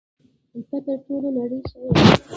ته تر ټولې نړۍ ښه یې.